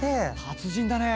達人だね。